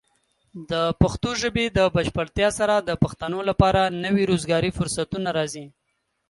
د پښتو ژبې د بشپړتیا سره، د پښتنو لپاره نوي روزګاري فرصتونه راځي.